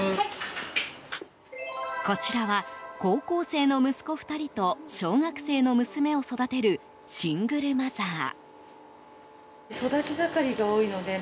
こちらは、高校生の息子２人と小学生の娘を育てるシングルマザー。